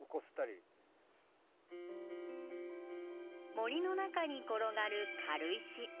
森の中に転がる軽石。